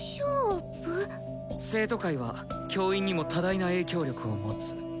生徒会は教員にも多大な影響力を持つ。